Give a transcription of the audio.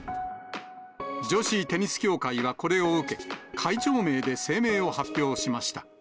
女子テニス協会はこれを受け、会長名で声明を発表しました。